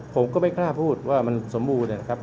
ผมก็ไม่คล้าพูดว่ามันสมบูรณ์